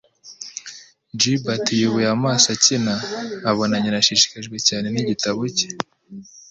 Gilbert yubuye amaso akina, abona nyina ashishikajwe cyane n'igitabo cye.